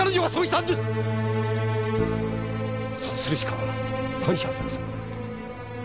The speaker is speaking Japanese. そうするしかないじゃありませんか。